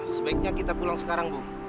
sebaiknya kita pulang sekarang bu